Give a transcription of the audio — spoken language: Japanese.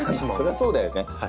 そりゃそうだよね。